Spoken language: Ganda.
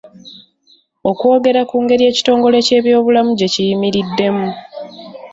Okwogera ku ngeri ekitongole ky'ebyobulamu gye kiyimiriddemu.